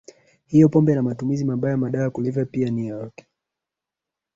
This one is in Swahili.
hiyoPombe na matumizi mabaya ya madawa ya kulevya pia ni ya